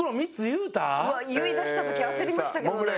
言いだした時焦りましたけどね。